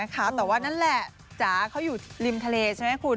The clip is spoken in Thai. แต่ว่านั่นแหละจ๋าเขาอยู่ริมทะเลใช่ไหมคุณ